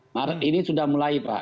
maret ini sudah mulai pak